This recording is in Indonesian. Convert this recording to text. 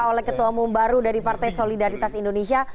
oleh ketua umum baru dari partai solidaritas indonesia